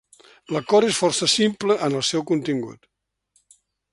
L'acord és força simple en el seu contingut.